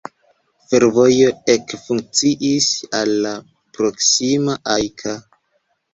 Fervojo ekfunkciis al la proksima Ajka.